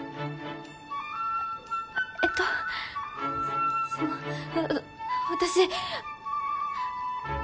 えっとその私。